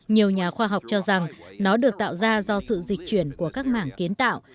nhiều nhà khoa học cho rằng nó được tạo ra do sự dịch chuyển của các mảng kiến tạo